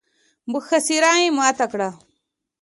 محاصره يې ماته کړه.